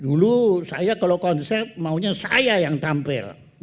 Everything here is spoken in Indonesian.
dulu saya kalau konsep maunya saya yang tampil